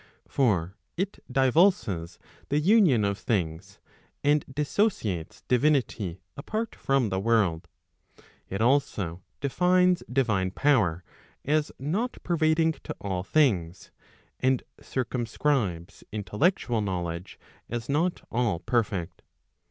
For it divulses the union of things, and dissociates divinity apart from the world. It also defines divine power as not pervading to all things, and circumscribes intellectual knowledge as not all perfect.